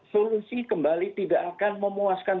solusi kembali tidak akan memuaskan